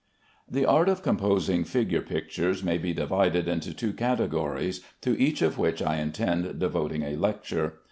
The art of composing figure pictures may be divided into two categories, to each of which I intend devoting a lecture.